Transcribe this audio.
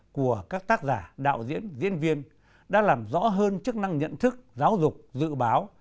của các tác giả đạo diễn diễn viên đã làm rõ hơn chức năng nhận thức giáo dục dự báo